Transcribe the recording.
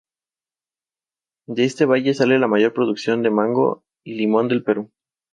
De este valle sale la mayor producción de mango y limón del Perú.